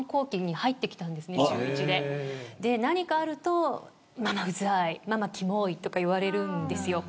何かあると、ママ、うざいキモいと言われるんですよ。